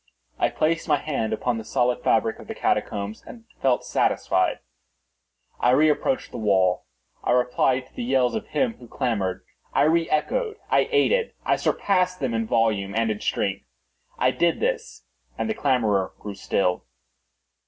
I placed my hand upon the solid fabric of the catacombs, and felt satisfied. I reapproached the wall. I replied to the yells of him who clamored. I re echoed—I aided—I surpassed them in volume and in strength. I did this, and the clamorer grew still.